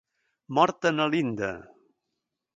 Morta Na Linda!